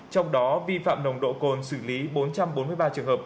trong đó vi phạm nồng độ cồn xử lý bốn trăm bốn mươi ba trường hợp